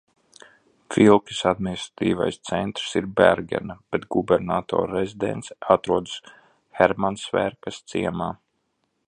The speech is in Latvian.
Filkes administratīvais centrs ir Bergena, bet gubernatora rezidence atrodas Hermansverkas ciemā.